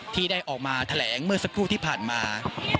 ที่ได้ออกมาแถลงเมื่อสักครู่ที่ผ่านมา